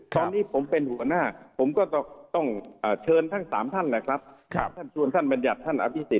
ตอนนี้ผมเป็นหัวหน้าผมก็ต้องเชิญทั้ง๓ท่านแหละครับท่านชวนท่านบัญญัติท่านอภิษฎ